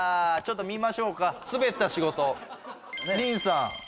ちょっと見ましょうかスベった仕事りんさん